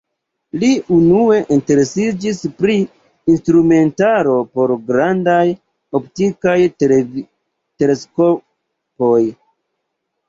Li unue interesiĝis pri instrumentaro por grandaj optikaj teleskopoj.